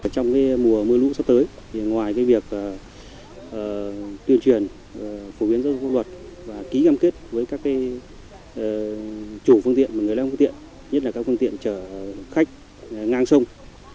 trong mùa mưa lũ sắp tới ngoài việc tuyên truyền phổ biến giao thông luật và ký găm kết với các chủ phương tiện và người lái phương tiện nhất là các phương tiện chở khách ngang sông